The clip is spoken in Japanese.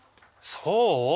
そう？